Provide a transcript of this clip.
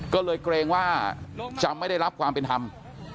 ก็เลยเกรงว่าจะไม่ได้รับความเป็นธรรม